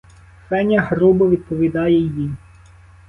Феня грубо відповідає їй.